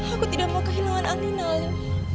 aku tidak mau kehilangan alina alim